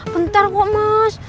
bentar kok mas